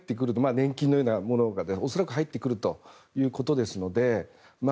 年金のようなものが恐らく入ってくるということですので